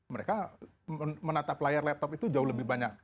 mereka menatap layar laptop itu jauh lebih banyak